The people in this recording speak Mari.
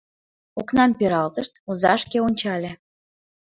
Окнам пералтышт — оза шке ончале.